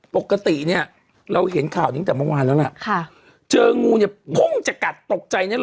ปกติเนี่ยเราเห็นข่าวนี้ตั้งแต่เมื่อวานแล้วล่ะค่ะเจองูเนี่ยพุ่งจะกัดตกใจเนี่ย